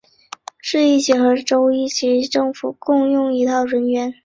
市一级和州一级政府共用一套人员。